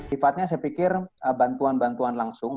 sifatnya saya pikir bantuan bantuan langsung